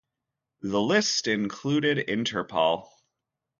The list included Interpal.